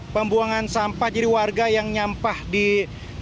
pembuangan sampah jadi warga yang nyampah di sungai ciliwung ini